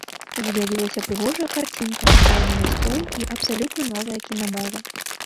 З'явілася прыгожая карцінка, файны настрой і абсалютна новая кінамова.